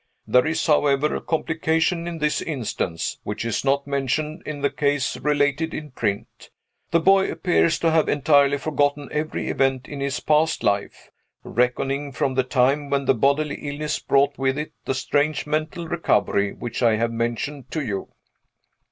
There is, however, a complication in this instance, which is not mentioned in the case related in print. The boy appears to have entirely forgotten every event in his past life, reckoning from the time when the bodily illness brought with it the strange mental recovery which I have mentioned to you."